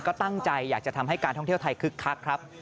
ก็ตั้งใจอยากจะทำให้การท่องเที่ยวไทยคึกคักครับ